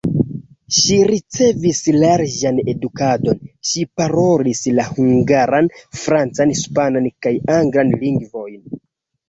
Ŝi ricevis larĝan edukadon, ŝi parolis la hungaran, francan, hispanan kaj anglan lingvojn.